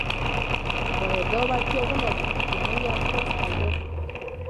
باید دا وړتیا ولري چې نوي الفاظ پیدا کړي.